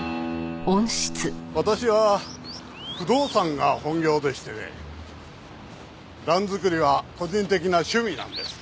私は不動産が本業でしてね蘭作りは個人的な趣味なんです。